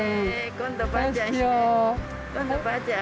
今度おばあちゃん。